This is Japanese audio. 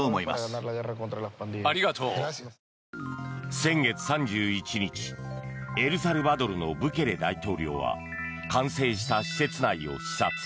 先月３１日にエルサルバドルのブケレ大統領は完成した施設内を視察。